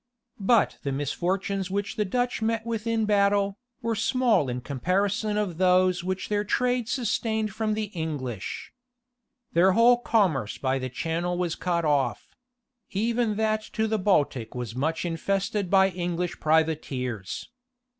But the misfortunes which the Dutch met with in battle, were small in comparison of those which their trade sustained from the English. Their whole commerce by the Channel was cut off: even that to the Baltic was much infested by English privateers.